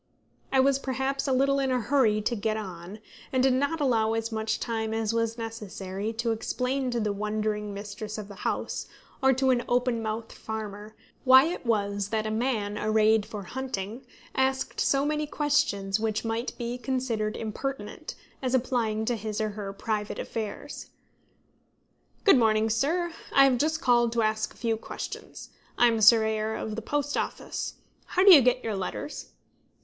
I was perhaps a little in a hurry to get on, and did not allow as much time as was necessary to explain to the wondering mistress of the house, or to an open mouthed farmer, why it was that a man arrayed for hunting asked so many questions which might be considered impertinent, as applying to his or her private affairs. "Good morning, sir. I have just called to ask a few questions. I am a surveyor of the Post Office. How do you get your letters?